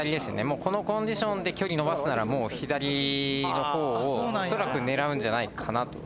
もうこのコンディションで距離のばすならもう左の方を恐らく狙うんじゃないかなと。